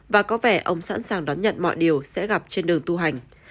và có vẻ ông sẵn sàng đón nhận mọi điều sẽ gặp trên đường tu hành